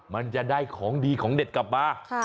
มันจะได้ของดีของเด็ดกลับมา